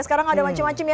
sekarang ada macem macem ya